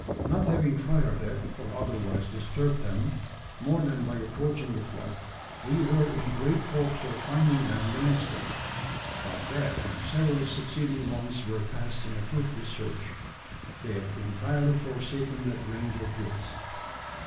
Not having fired at, or otherwise disturbed them, more than by approaching the flock, we were in great hopes of finding them the next day; but that and several succeeding ones were passed in a fruitless search. They had entirely forsaken that range of hills.